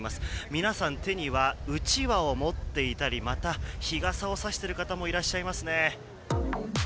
皆さん、手にはうちわを持っていたりまた、日傘をさしている方もいらっしゃいますね。